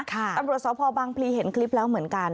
ตำรวจสพบังพลีเห็นคลิปแล้วเหมือนกัน